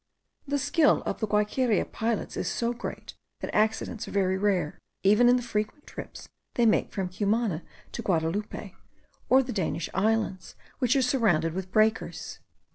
The skill of the Guaiqueria pilots is so great, that accidents are very rare, even in the frequent trips they make from Cumana to Guadaloupe, or the Danish islands, which are surrounded with breakers.